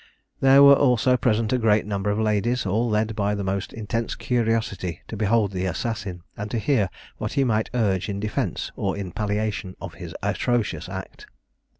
There were also present a great number of ladies, all led by the most intense curiosity to behold the assassin, and to hear what he might urge in defence or in palliation of his atrocious act.